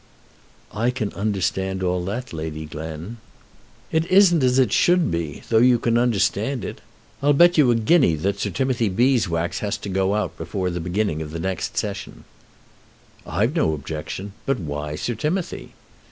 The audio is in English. "I can understand all that, Lady Glen." "It isn't as it should be, though you can understand it. I'll bet you a guinea that Sir Timothy Beeswax has to go out before the beginning of next Session." "I've no objection. But why Sir Timothy?"